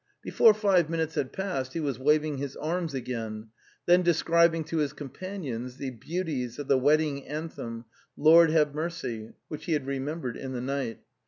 Before five minutes had passed he was waving his arms again, then describing to his companions the beauties of the wedding anthem, " Lord, have Mercy," which he had remembered in the night.